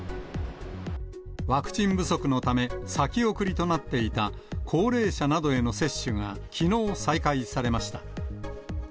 ワクチン不足のため、先送りとなっていた高齢者などへの接種が、きのう再開されました。